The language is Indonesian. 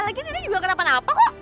laginya dia juga kena penapa kok